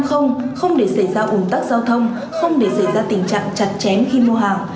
với mục tiêu năm không để xảy ra ủng tắc giao thông không để xảy ra tình trạng chặt chém khi mua hàng